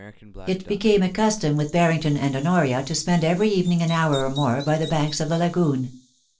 It became a custom with Barrington and Honoria to spend every evening an hour or more by the banks of the lagoon.